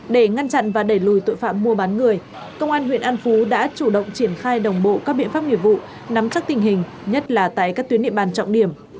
để ngăn chặn và đẩy lùi tội phạm mua bán người công an huyện an phú đã chủ động triển khai đồng bộ các biện pháp nghiệp vụ nắm chắc tình hình nhất là tại các tuyến địa bàn trọng điểm